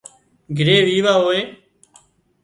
گھري ويوا هوئي